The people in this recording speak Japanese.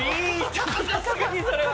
ちょっとさすがにそれは。